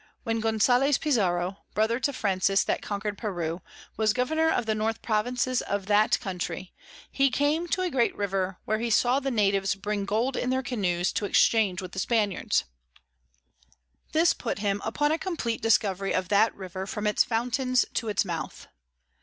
When Gonsales Pizarro, Brother to Francis that conquer'd Peru, was Governour of the North Provinces of that Country, he came to a great River where he saw the Natives bring Gold in their Canoes to exchange with the Spaniards. This put him upon a compleat Discovery of that River from its Fountains to its Mouth.